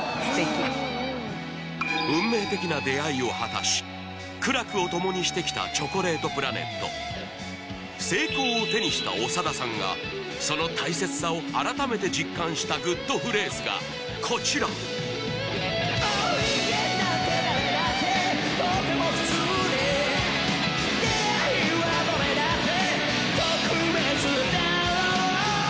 運命的な出会いを果たし苦楽をともにしてきたチョコレートプラネット成功を手にした長田さんがその大切さを改めて実感したグッとフレーズがこちら確かにそうだよね